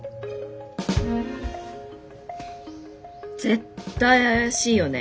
絶対怪しいよね